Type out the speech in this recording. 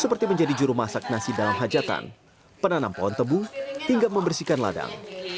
seperti menjadi juru masak nasi dalam hajatan penanam pohon tebu hingga membersihkan ladang